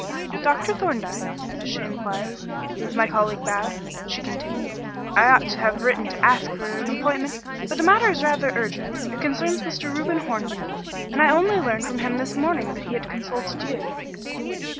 "Dr. Thorndyke?" she inquired, and as my colleague bowed, she continued, "I ought to have written to ask for an appointment but the matter is rather urgent it concerns Mr. Reuben Hornby and I only learned from him this morning that he had consulted you."